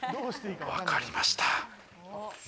分かりました。